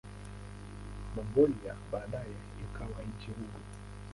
Mongolia baadaye ikawa nchi huru.